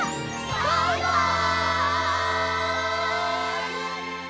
バイバイ！